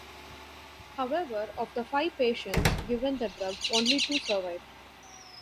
However, of the five patients given the drug, only two survived.